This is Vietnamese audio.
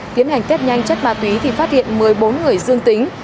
tiến hành test nhanh chất ma túy thì phát hiện một mươi bốn người dương tính